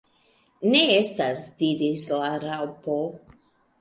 "Ne estas," diris la Raŭpo.